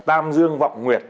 tam dương vọng nguyệt